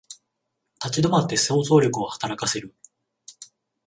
立ち止まって想像力を働かせる